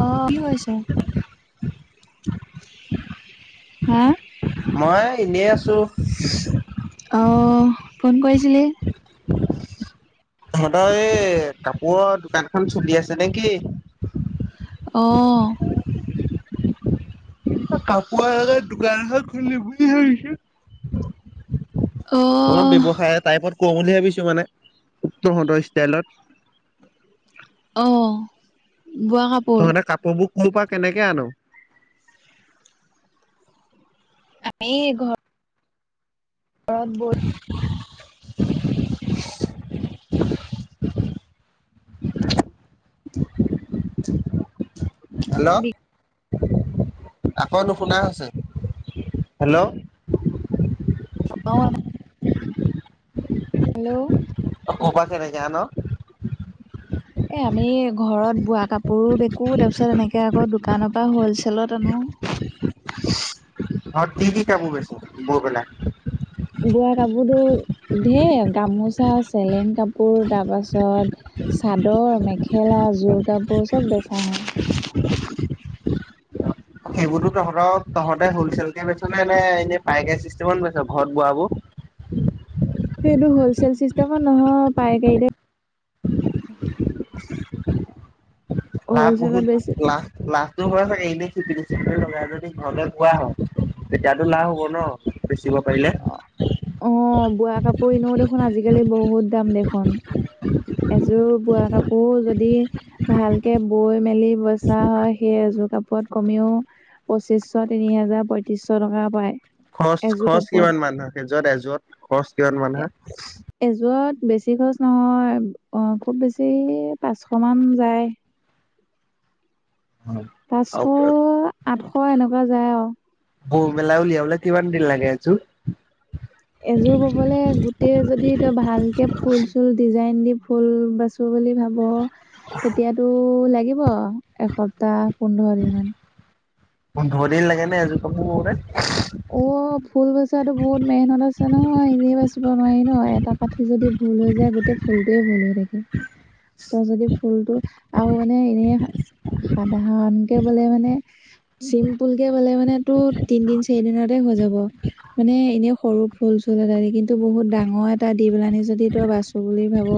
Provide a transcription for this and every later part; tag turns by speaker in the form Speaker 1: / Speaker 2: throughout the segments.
Speaker 1: অ কি কৰিছ হা
Speaker 2: মই এনেই আছো
Speaker 1: অ ফোন কৰিছিলি
Speaker 2: তহঁতৰ এই কাপোৰৰ দোকানখন চলি আছে নেকি
Speaker 1: অ
Speaker 2: কাপোৰ এনেকা দোকান এখন খুলিম বুলি ভাবিছো
Speaker 1: অ
Speaker 2: অকমান ব্যৱসায় টাইপত কওঁ বুলি ভাবিছো মানে তহঁতৰ ষ্টাইলত
Speaker 1: অ বোৱা কাপোৰ
Speaker 2: তহঁতে কাপোৰবোৰ ক পৰা কেনেকে আন
Speaker 1: আমি ঘ ঘৰত বৈ
Speaker 2: [unintelligible] হেল্ল' আকৌ নুশুনা হৈছে হেল্ল'
Speaker 1: অ হেল্ল'
Speaker 2: অ কপা কেনেকে আন
Speaker 1: এ আমি ঘৰত বোৱা কাপোৰো বিকো তাৰপিছত এনে কে আকৌ দোকানৰ পৰা হ'লচেলত আনো
Speaker 2: অ কি কি কাপোৰ বেছ বৈ পেলাই
Speaker 1: বোৱা কাপোৰতো ধঢ়েৰ গামোচা চেলেং কাপোৰ তাৰপাছত চাদৰ মেখেলা যোৰ কাপোৰ চব বেচা হয়
Speaker 2: সেইবোৰতো তহঁতক তহঁতে হলচেল কে বেছ নে এনে পাইকাৰী চিষ্টেমত বেছ ঘৰত বোৱা বোৰ
Speaker 1: এইটো হ'লচেল চিষ্টেমত নহয় পাইকাৰীতে
Speaker 2: লাভ
Speaker 1: হলচেলত
Speaker 2: বহুত
Speaker 1: বেছি
Speaker 2: লাখ লাখ এইটো হয় চাগে এনেই চিপিটি চিপিটি লগাই যদি ঘৰতে বোৱা হয় তেতিয়াতো লাভ হ'ব ন বেচিব পাৰিলে
Speaker 1: অ অ বোৱা কাপোৰ এনেও দেখোন আজিকালি বহুত দাম দেখোন এযোৰ বোৱা কাপোৰো যদি ভালকে বৈ মেলি বেচা হয় সেই এযোৰ কাপোৰত কমেও পঁচিশ, তিনি হাজাৰ, পঁয়ত্ৰিশ টকা পায়
Speaker 2: খৰচ
Speaker 1: এযোৰ
Speaker 2: খৰচ
Speaker 1: কাপোৰত
Speaker 2: কিমান মান হয় সেই যোৰত এযোৰত খৰচ কিমান মান হয়
Speaker 1: এযোৰত বেছি খৰছ নহয় খুব বেছি পাঁচশমান যায় পাঁচশ আঠশ এনেকুৱা যায় আও
Speaker 2: বৌ মেলা উলিয়াবলে কিমান দিন লাগে এযোৰ।
Speaker 1: এযোৰ বোবলে গোটেই যদি তই ভালকে ফুল চুল ডিজাইন দি ফুল বাচো বুলি ভাব। অ তেতিয়াতো লাগিব এসপ্তাহ পোন্ধৰ দিন মান।
Speaker 2: পোন্ধৰ দিন লাগে নে এযোৰ কাপোৰ বৌতে।
Speaker 1: অ ফুল বচাতো বহুত মেহনত আছে নহয় এনেই বাচিব নোৱাৰি ন এটা কাট যদি ভুল হৈ যায় গোটেই ফুলটোৱেই ভুল হৈ থাকে তই যদি ফুলতটো আৰু মানে এনেই সাধাৰণ কে বোলে মানে চিম পুল কে বোলে মানে তটো তিনদিন সেইদিনতে হৈ যাব। মানে এনেই সৰু ফুল চুল এটা দি কিন্তু বহুত ডাঙৰ এটা দি পেলানি যদি তই বাচো বুলি ভাব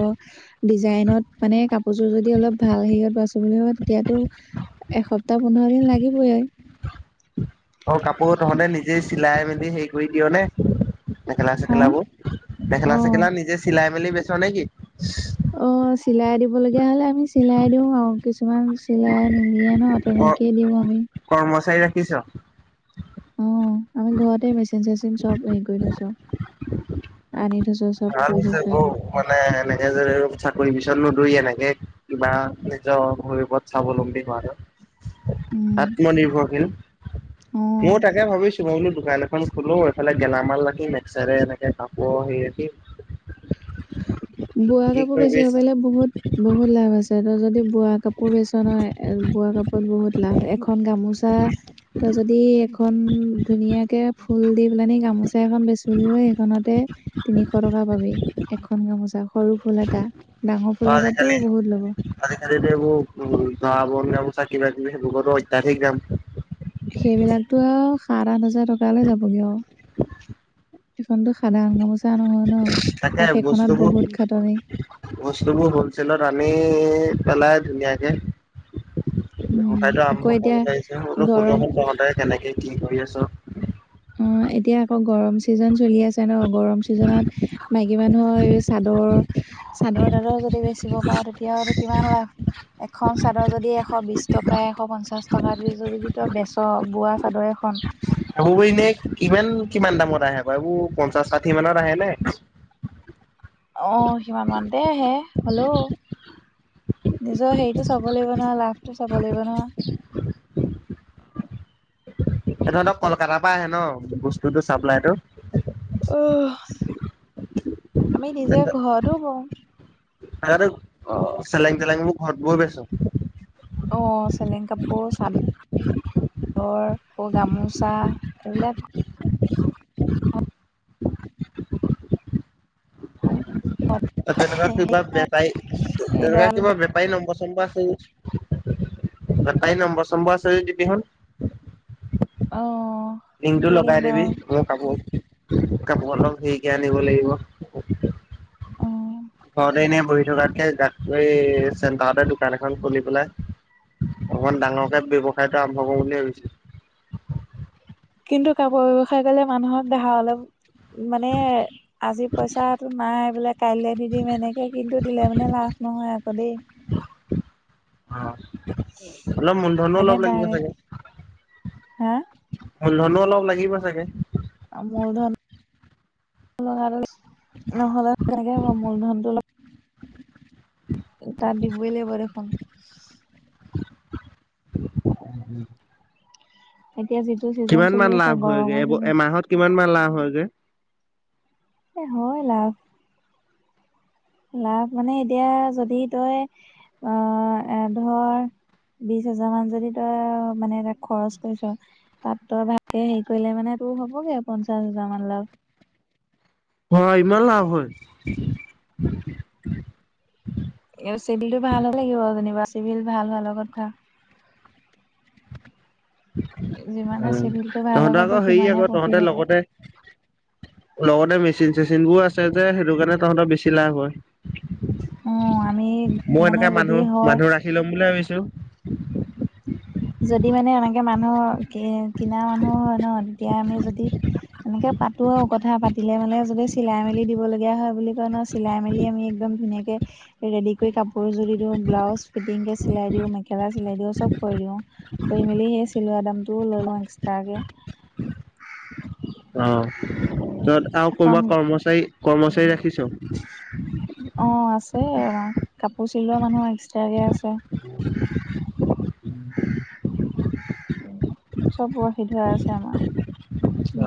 Speaker 1: ডিজাইনত মানে কাপোৰযোৰ যদি অলপ ভাল হেৰিয়ত বাছো বুলি কয় তেতিয়াতো এসপ্তাহ পোন্ধৰ দিন লাগিবয়ে।
Speaker 2: অ কাপোৰ তহঁতে নিজেই চিলাই মেলি হেৰি কৰি দিয় নে মেখেলা
Speaker 1: হা
Speaker 2: চেখেলাবোৰ?
Speaker 1: অ
Speaker 2: মেখেলা চেখেলা নিজে চিলাই মেলি বেচা নে কি?
Speaker 1: অ চিলাই দিবলগীয়া হ'লে আমি চিলাই দিও আৰু কিছুমান চিলাই মিলিয়ে ন
Speaker 2: ক
Speaker 1: তেনেকেই দিওঁ আমি।
Speaker 2: কৰ্মচাৰী ৰাখিছ?
Speaker 1: অ আমি ঘৰতে মেচিন চেচিন চব হেৰি কৰি থৈছো আনি থৈছো। চব
Speaker 2: ভাল
Speaker 1: কৰি
Speaker 2: হৈছে
Speaker 1: থৈছো
Speaker 2: বৌ
Speaker 1: একদম
Speaker 2: মানে এনেকে যে চাকৰি পিছত নদৌৰি এনেকে কিবা নিজৰ ভৰিৰ ওপৰত স্বাবলম্বী হোৱাতো।
Speaker 1: উম
Speaker 2: আত্মনিৰ্ভৰশীল।
Speaker 1: অ
Speaker 2: ময় তাকে ভাবিছো মই বোলো দোকান এখন খোলো এইফালে গেলামাল ৰাখিম এক সাইদে এনেকে কাপোৰ হি।
Speaker 1: বোৱা
Speaker 2: কি
Speaker 1: কাপোৰ
Speaker 2: কৰিবি
Speaker 1: বেছিব পাৰিলে বহুত বহুত লাভ আছে ত যদি বোৱা কাপোৰ বেচন হয় বোৱা কাপত বহুত লাভ এখন গামোচা ত যদি এখন ধুনীয়াকে ফুল দি পেলানি গামোচা এখন বেচু সেইখনতে তিনিশ টকা পাবি এখনকে মজা সৰু ফুল এটা ডাঙৰ ফুল এটাতটো বহুত ল'ব।
Speaker 2: খাল খালীতো এইবোৰ উম জাহ বনোৰ চাক কিবাকিবি সেইবোৰো অত্যাধিক দাম-
Speaker 1: সেইবিলাকতো আৰু সাত আঠ হাজাৰ টকালৈ যাবগৈ আৰু। এইখনতো সাধাৰণ গামোচা নহয় ন
Speaker 2: তাকে
Speaker 1: আৰু সেইখনত
Speaker 2: বস্তুবোৰ
Speaker 1: বহুত ঘাটনি।
Speaker 2: বস্তুবোৰ হলচেলত আনি পেলাই ধুনীয়াকে
Speaker 1: উম
Speaker 2: উঠাইতো
Speaker 1: আকৌ
Speaker 2: আৰম্ভ
Speaker 1: এতিয়া
Speaker 2: কৰি লাগিছে সতো
Speaker 1: গৰম
Speaker 2: সুধোকোন তহঁতে কেনেকে কি কৰি আছ?
Speaker 1: অ এতিয়া আকৌ গৰম চিজন চলি আছে ন গৰম চিজনত মাইকী মানুহৰ এই চাদৰ চাদৰ দাদৰ যদি বেচিব পাওঁ তেতিয়া আৰু কিমান লাভ। এখন চাদৰ যদি এশ বিছ টকা এশ পঞ্চাছ টকা দি যদি তই বেচ বোৱা চাদৰ এখন।
Speaker 2: হব এনে কিমান কিমান দামত আহে আকৌ এইবোৰ পঞ্চাশ ষাঠি মানত আহে নে?
Speaker 1: অ সিমান মমানতে আহে হ'লেও। নিজৰ হেৰিটো চাব লাগিব নোৱাৰ লাভটো চাব লাগিব নহ।
Speaker 2: এ তহঁতক কলকাতাৰ পৰা আহে ন বস্তুতটো চাপ্লাইটো।
Speaker 1: উ আমি নিজে ঘৰতো বওঁ।
Speaker 2: দাদো অ চেলেং চেলেং মোৰ ঘৰত বহ বেছ?
Speaker 1: অ চেলেং কাপোৰ চাদ ঘৰকৌ গামোচা এইবিলাক।
Speaker 2: তেনেকুৱা কিবা বেপাই
Speaker 1: এই
Speaker 2: তেনেকুৱা
Speaker 1: দৰা
Speaker 2: কিবা বে তাই নম্বৰ সম্বৰ আছে যদি তাই নম্বৰ সম্বৰ আছে যদি দিবি হ? [unintelligible]
Speaker 1: অঁ।
Speaker 2: লিংকটো লগাই দিবি। মোৰ কাপোৰ কাপোৰখন সৰিকে আনিব লাগিব।
Speaker 1: অ
Speaker 2: ঘৰতে এনে বহি থকাতকে। এই চেন্টাৰতে দোকান এখন খুলি পেলাই। অকমান ডাঙৰকে ব্যৱসায়তটো আৰম্ভ কৰিম বুলি ভাবিছো।
Speaker 1: কিন্তু কাপোৰ ব্যৱসায় কৰিলে মানুহক ধাৰলৈ মানে। আজি পইচাটো নাই বোলে কাইলেলৈ দি দিম এনেকে কিন্তু দিলে মানে লাভ নহয় আকৌ দেই।
Speaker 2: অলপ
Speaker 1: [unintelligible]
Speaker 2: মূলধনো অলপ
Speaker 1: মানে
Speaker 2: লাগিব
Speaker 1: ডাইৰেক হা।
Speaker 2: মূল ধন অলপ লাগিব চাগে?
Speaker 1: আৰু মূলধন নহলে কেনেকে হব মূলধনটো অ'। তাত দিবই লাগিব দেখোন।
Speaker 2: উম।
Speaker 1: এতিয়া যিটো ছিজন চলি
Speaker 2: মান লাভ
Speaker 1: আছে
Speaker 2: হয়গে
Speaker 1: গৰমৰ
Speaker 2: এব
Speaker 1: ছিজন।
Speaker 2: এমাহত কিমান মান লাভ হয় যে।
Speaker 1: হয় লাভ। লাভ মানে এতিয়া যদি তই আহ ধৰ। বিশ হাজাৰ মান যদি তই মানে ত খৰচ কৰিছ। তাত তই ভালকে হেৰি কৰিলে মানে তো হ'বগে পঞ্চাশ হাজাৰ মান লাভ।
Speaker 2: অ' ইমান লাভ হয়।
Speaker 1: এই চিভিল টো ভাল হে লাগিব যেনিবা চিভিল ভাল ভালৰ কথা।
Speaker 2: অ'
Speaker 1: যিমানে চিভিলটো ভাল
Speaker 2: তহঁতৰ
Speaker 1: হ'বতো
Speaker 2: আকৌ হেৰি
Speaker 1: সিমানে
Speaker 2: আকৌ
Speaker 1: প্ৰফিট
Speaker 2: তহঁতে
Speaker 1: হ'ব।
Speaker 2: লগতে। লগতে মেচিন চেচিন বোৰ আছে যে সেইটো কাৰণে তাহঁতৰ বেছি লাভ হয়।
Speaker 1: অ' আমি
Speaker 2: মই
Speaker 1: মানে
Speaker 2: এনেকে
Speaker 1: যদি
Speaker 2: মানুহ
Speaker 1: হয়
Speaker 2: মানুহ ৰাখি লম বুলি ভাবিছো।
Speaker 1: যদি মানে এনেকে মানুহ কি কিনা মানুহ হয় ন তেতিয়া আমি যদি। এনেকে পাতো আৰু কথা পাতিলে মানে যদি চিলাই মেলি দিব লগীয়া হয় বুলি কয় নহ। চিলাই মেলি আমি একদম ধুনীয়াকৈ। ৰেড কৰি কাপোৰ যোৰ দিওঁ ব্লাউজ ফিটিংকে চিলাই দিওঁ মেকেলা চিলাই দিওঁ চব কৈ দিওঁ। কৰি মেলি সেই চিলোৱা দামটোও লৈ লওঁ এক্স্ৰাকে।
Speaker 2: অ' তত আৰু
Speaker 1: এখন
Speaker 2: কোনোবা কৰ্মচাৰী কৰ্মচাৰী ৰাখিছ?
Speaker 1: অ' আছে আমাৰ, কাপোৰ চিলোৱা মানুহ এক্সট্ৰাকে আছে। উম। চব সুবিধা হৈ আছে আমাৰ।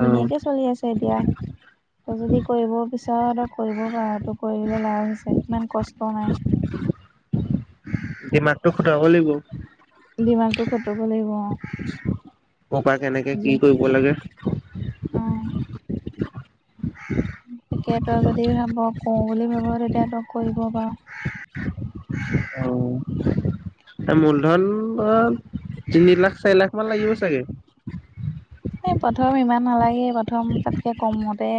Speaker 2: অ',
Speaker 1: চলি আছে এতিয়া। তই যদি কৰিব বিছাৰ কৰিব পাৰ তই কৰিলে লাভ আছে ইমান কষ্ট নাই।
Speaker 2: য মাতটো খুটাব লাগিব [unintelligible]
Speaker 1: দিমাগটো খটুব লাগিব
Speaker 2: কৰপৰা কেনেকে
Speaker 1: আজি
Speaker 2: কি কৰিব লাগে।
Speaker 1: অ' এতিয়া তই যদি ভাব। কওঁ বুলি ভাব, তেতিয়া তই কৰিব পাৰ।
Speaker 2: উম। মূলধন ধৰ তিনি লাখ চাৰি লাখ মান লাগিব চাগে?
Speaker 1: এ' প্ৰথম ইমান নালাগে, প্ৰথম তাতকে কমতে।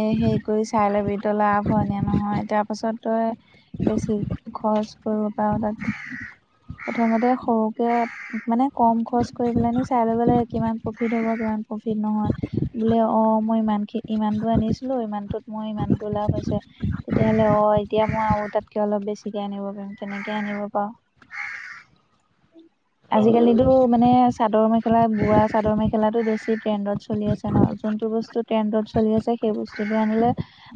Speaker 1: এ' হেৰি কৰি চাই লবি, তই লাভ হয় নে নহয় তাৰ পাছত তই। বেছি খৰচ কৰিব পাৰোঁ তাত প্ৰথমতে সৰুকে মানে কম খৰচ কৰিব পেলাই নি চাই লৈব লাগে কিমান প্ৰফিট হ'ব প্ৰফিট নহয়। বোলে অ মই ইমানখিনি ইমান দ আনিছিলো ইমানটোত মই ইমান দৰ লাভ হৈছে। তেতিয়াহ'লে অ এতিয়া মই আৰু তাতকে অলপ বেছিকে আনিব পাৰিম তেনেকে আনিব পাৰো। আজিকালিতো মানে চাদৰ মেখেলা বোৱা। চাদৰ মেখেলাটো বেছি ট্ৰেণ্ডত চলি আছে ন যোনতটো বস্তু ট্ৰেণ্ডত চলি আছে সেই বস্তুটো আনিলে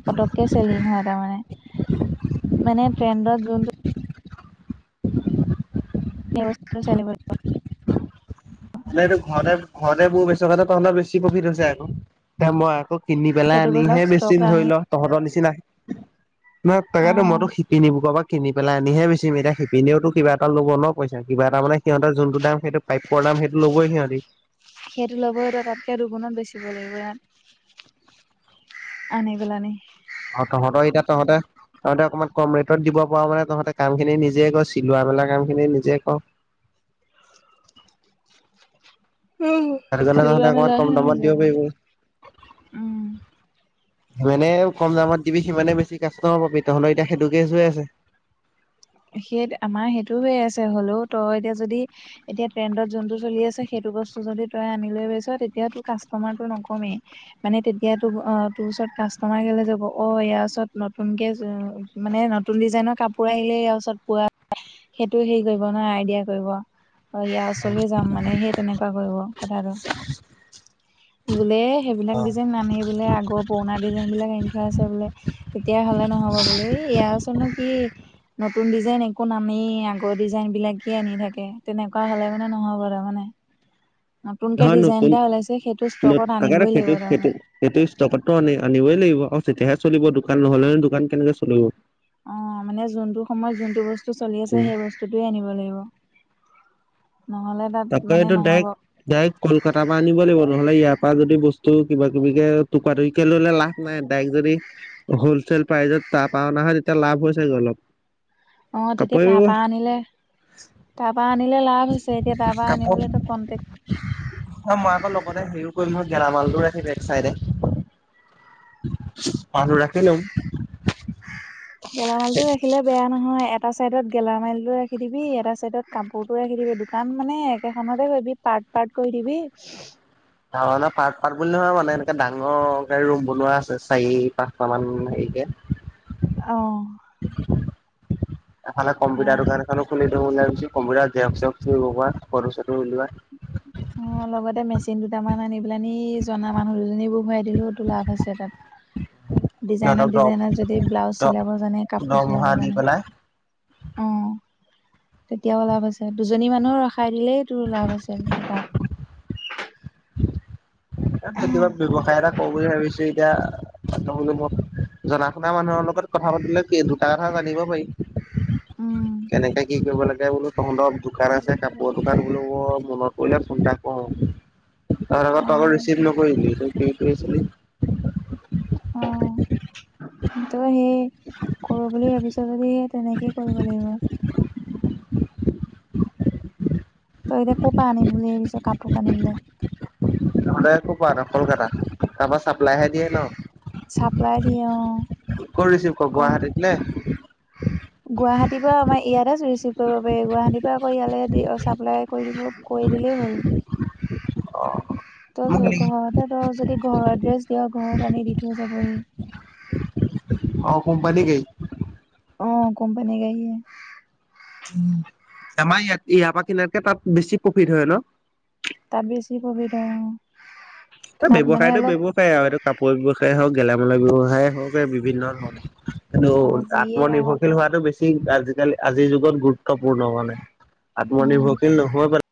Speaker 1: পককে চেলিং হ তাৰে মানে ট্ৰেণ্ডত জোনটো চলিব।
Speaker 2: মানে এইটো ঘৰতে ঘৰতে মোৰ বেচকা তহত বেছি প্ৰফিট হৈছে আকৌ তে মই আকৌ কিনি পেলাই
Speaker 1: সেইটো বস্তু
Speaker 2: আনিহে বেছি
Speaker 1: ষ্টক আনি
Speaker 2: ধৰি লও। তহঁতৰ নিচিনা নহ তাকেতো
Speaker 1: অ
Speaker 2: মইতো শিকি নিবো কবাক কিনি পেলাই আনিহে বেচিম এতি শিপিনীয়েওতো কিবা এটা লব ন পইা কিবা এটা মানে সিহঁত যোনটো দাম সেইটো প্ৰাপপৰ দাম সেইটো ল'ই সিহঁতি।
Speaker 1: সেইটো ল'বত তাতকৈ দুগুণত বেচিব লাগিব ইয়াত। আনিবেলা আনি।
Speaker 2: আৰু তহঁতৰ এতিয়া তহঁতে তহঁতে অকণমান কম ৰেটত দিব পৰা মানে তহঁতে কাম খিনি নিজে ক চিলোৱা মেলা কাম খিনি নিজে কৰ।
Speaker 1: উ
Speaker 2: সেইটো কাৰণে
Speaker 1: চিলোৱা
Speaker 2: তহঁতে অকমান কম
Speaker 1: মেলাখেনে
Speaker 2: দামত দিব পাৰিবি।
Speaker 1: উম।
Speaker 2: সিমানে কম দামত দিবি সিমানে বেছি কাষ্টমাৰ পাবি তহঁলে এতিয়া সেইটোকেজ হৈ আছে
Speaker 1: সেই আমাৰ সেইটো হৈ আছে হ'লেও তই এতিয়া যদি এতিয়া ট্ৰেণ্ডত যোনটো চলি আছে সেইটো বস্তু যদি তই আনি লৈৈছ তেতিয়া তো কাষ্টমাৰতটো নকমেই মানে তেতিয়া তোৰ অ তোৰ ওচৰত কাষ্টমাৰ কেলে যাব অ ইয়াৰ ওচৰত নতুনকে মানে নতুন ডিজাইনৰ কাপোৰ আহিলে ছত পোৱা সেইটো হেৰি কৰিব নহয় আইডিয়া কৰিব। অ ইয়াৰ ওচৰ যাম মানে সেই তেনেকুৱা কৰিব কথাটো। বোলে সেইবিলাক ডিজাইন নানি বোলে আগৰ পুৰণা ডিজাইন বিলাক আনি থৈ আছে বোলে তেতিয়াহ'লে নহ'ব বোলে এয়াওচনো কি নতুন ডিজাইন একো নামেই আগৰ ডিজাইনবিলাকেই আনি থাকে তেনেকুৱা হ'লে মানে নহ'য়ব তাৰমানে। নতুনকে
Speaker 2: হা
Speaker 1: ডিজাইন
Speaker 2: নতন
Speaker 1: এটা ওলাইছে সেইটো
Speaker 2: ন
Speaker 1: ষ্টকত
Speaker 2: ককাৰ
Speaker 1: আনিবই লাগিব
Speaker 2: ফেইটো সেট।
Speaker 1: তাৰমানে।
Speaker 2: এইটো ষ্টকতো আনে আনিবই লাগিব আৰু তেতিয়াহে চলিব দোকান নহলে দোকান কেনেকে চলিব।
Speaker 1: অ মানে যোনটো সময়ত যোনটো বস্তু চলি আছে সেই বস্তুটোৱে আনিব লাগিব। নহ'লে তাত
Speaker 2: তাপ
Speaker 1: মানে
Speaker 2: এইতটো
Speaker 1: নহ'ব
Speaker 2: ডাইৰেক্ট ডাইৰেক্ট কলকাতাৰ পৰা আনিব লাগিব নহ'লে ইয়াৰ পৰা যদি বস্তু কিবা কিবি টপা টপিৰিকে লৈ ললে লা নাই ডাইক্ যদি হলচেল প্ৰাইজত তাহ পাও ননা হয় তেতিয়া লাভ হৈছে জানো?
Speaker 1: অ তেতিয়া তাৰপা আনিলে তাৰপা আনিলে লাভ হৈছে। এতিয়া দাবা আনিবলৈতো কণ্টেক্ট
Speaker 2: অ মই আকৌ লগতে হেৰিও কৰিম ম গেলামালটো ৰাখি বে চাইডে। অ ৰাখিলো
Speaker 1: গেলামালটো ৰাখিলে বেয়া নহয় এটা চাইডত গেলামালটো ৰাখি দিবি এটা চাইডত কাপোৰটো ৰাখি দিবি দোকান মানে একেখনতে কৰিবি পাৰ্ট পাৰ্ট কৰি দিবি
Speaker 2: পাৰ্ট পাৰ্ট বুলি নহয় মানে এনেকে ডাঙৰ গে ৰুম বনোৱা আছে চাৰি পাঁচটা মান হেৰিকে।
Speaker 1: অ।
Speaker 2: এফালে কম্পিউটাৰ দোকান
Speaker 1: অ
Speaker 2: এখনো খুলিম। ওলাই পিছত কোমোৰা জেৰক্স চেৰক্স লগোৱা ফটো চটো ওলোৱা
Speaker 1: অ লগতে মেচিন দুটামান আনি পেলানী জনা মানুহ দুজনী বহোৱাই দিলেওতো লাভ আছে তাত ডিজাইনৰ
Speaker 2: সিহঁতক
Speaker 1: ডিজাইনৰ যদি ব্লাউজ
Speaker 2: দ
Speaker 1: চিলাব জানে কাপোৰ
Speaker 2: দৰমহা
Speaker 1: চিলাব
Speaker 2: দি
Speaker 1: জানে
Speaker 2: পেলাই
Speaker 1: অ তেতিয়াও লাভ আছে দুজনী মানুহ ৰখাই দিলেই তোৰ লাভ আছে তাত
Speaker 2: তাকেহে কিবা ব্যৱসায় এটা কও বুলি ভাবিছো এতিয়া অতদিন মূৰত জনা শুনা মানুহৰ লগত কথা পাতিলে কি দুটা কথা জানিব পাৰিম
Speaker 1: উম
Speaker 2: কেনেকে কি কৰিব লাগে বোলো তহঁতৰ দোকান আছে কাপোৰৰ দোকান বোলো বৰ মনত পৰিলে ফোন এটা কৰো অ
Speaker 1: অ
Speaker 2: তহঁতৰ ৰি চিপ নকৰিলি তই কি কৰি আছিলি
Speaker 1: ত সেই
Speaker 2: [unintelligible]
Speaker 1: কৰো বুলি ভাবিছ যদি তেনেকেই কৰিব লাগিব তই এতিয়া কপা আনিম বুলি ভাবিছ কাপোৰ কানি বিলাক
Speaker 2: লে কপা আনা কলকাত তাৰপা চাপ্লাইহে দিয়ে ন
Speaker 1: চাপ্লাই দিয়ে অ',
Speaker 2: কত ৰিচিভ কৰ
Speaker 1: কণ
Speaker 2: গুৱাহাটীত নে
Speaker 1: গুৱাহাটীৰ পৰা আমাৰ ইয়াতে ৰিচিভ কৰিব পাৰি গুৱাহাটীত কোৰিয়াৰ কৰি ইয়ালে চাপ্লাই কৰি দিব কৰি দিলেই হ'ল তই
Speaker 2: মোক নেকি?
Speaker 1: জগহত তহঁতৰ যদি ঘৰৰ এড্ৰেছ দিয় ঘৰত আনি দি থৈ যাবহি
Speaker 2: অ কোম্পানী গাড়ী
Speaker 1: অ কোম্পানী গাড়ীয়ে
Speaker 2: আমাৰ ইয়াত ইয়াৰ পৰা কিনাতকে তাত বেছি প্ৰফিট হয় ন
Speaker 1: তাত বেছি প্ৰফিট হয় অ
Speaker 2: এ
Speaker 1: তাত মানে
Speaker 2: ব্যৱসায়তো
Speaker 1: অলপ
Speaker 2: ব্যয়ৱসায় আৰু এইটো কাপোৰ ব্যয়ৱসায় হওক গেলামালৰ ব্যয়ৱসায় হওক এই বিভিন্ন ধৰণৰ কিন্তু
Speaker 1: অ', যিয়ে নহওক
Speaker 2: আত্মনিৰ্ভৰশীল হোৱাতো বেছি আজিকালি আজিৰ যুগত গুৰুত্বপূৰ্ণ মানে
Speaker 1: উম।
Speaker 2: আত্মনিৰ্ভৰশীল নহয় বা